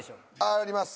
あります。